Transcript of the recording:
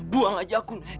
buang aja aku nek